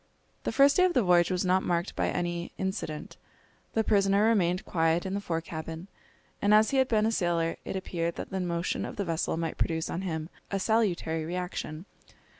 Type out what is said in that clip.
The first day of the voyage was not marked by any incident. The prisoner remained quiet in the fore cabin, and as he had been a sailor it appeared that the motion of the vessel might produce on him a salutary reaction.